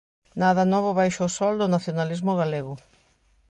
Nada novo baixo o sol do nacionalismo galego.